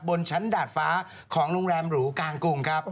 บนชั้นดาดฟ้าของโรงแรมหรูกลางกรุงครับ